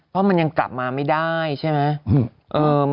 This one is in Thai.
เพราะมันยังกลับมาไม่ได้ใช่ไหม